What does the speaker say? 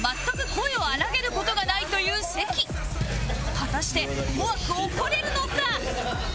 果たして怖く怒れるのか？